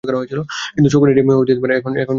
কিন্তু শকুনির ডিম এখন সে কোথায় পায়?